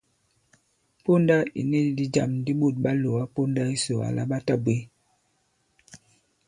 Ponda ì ni ndī jâm di ɓôt ɓa lòga ponda yisò àlà ɓa tabwě.